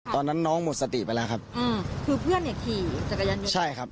ตอนนั้นน้องหมดสติไปแล้วครับ